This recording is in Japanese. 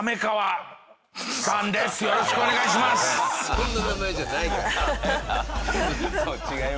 そんな名前じゃないから。